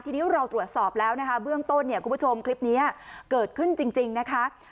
ทีนี้เราตรวจสอบแล้วนะคะเบื้องต้นเนี่ยคุณผู้ชมคลิปนี้เกิดขึ้นจริงนะคะ